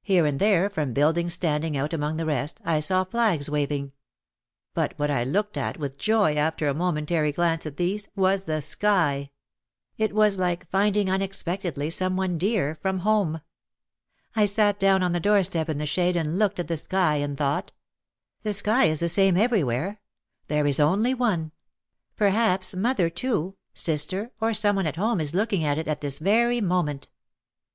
Here and there from buildings standing out among the rest, I saw flags waving. But what I looked at with joy after a momentary glance at these, was the sky! It was like finding unexpectedly some one dear from home. I sat down on the door step in the shade and looked at the sky and thought: "The sky is the same everywhere. There is only one. Perhaps mother, too, sister or some one at home is look ing at it at this very moment.